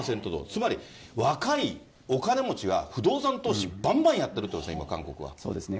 つまり若いお金持ちが不動産投資ばんばんやってるということですそうですね。